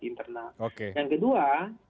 internal yang kedua